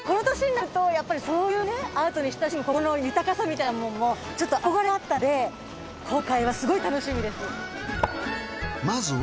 この年になるとやっぱりそういうねアートに親しむ心の豊かさみたいなものもちょっと憧れがあったので今回はすごい楽しみです。